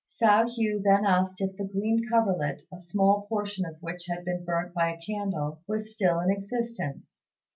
Hsiao hui then asked if the green coverlet, a small portion of which had been burnt by a candle, was still in existence.